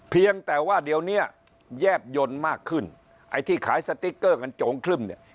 เพียงแต่ว่าเดี๋ยวเนี้ยแยบยนต์มากขึ้นไอ้ที่ขายสติ๊กเกอร์กันโจงครึ่มเนี่ย